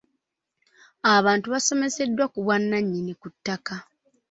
Abantu baasomeseddwa ku bwannannyini ku ttaka.